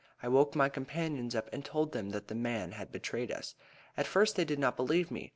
I woke my companions up and told them that that man had betrayed us. At first they did not believe me.